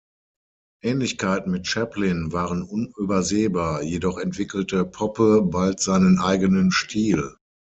Ähnlichkeiten mit Chaplin waren unübersehbar, jedoch entwickelte Poppe bald seinen eigenen Stil.